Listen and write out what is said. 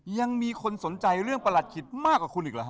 ยังมีคนสนใจเรื่องประหลัดขิตมากกว่าคุณอีกเหรอฮ